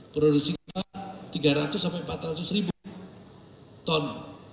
produksi kita tiga ratus empat ratus ribu ton